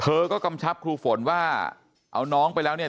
เธอก็กำชับครูฝนว่าเอาน้องไปแล้วเนี่ย